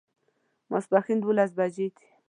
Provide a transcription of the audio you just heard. ماسپښین دوولس بجې دي